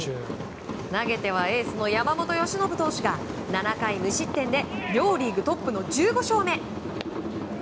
投げてはエースの山本由伸投手が７回無失点で両リーグトップの１５勝目。